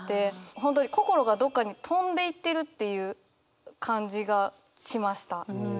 本当に心がどっかに飛んでいってるっていう感じがしました。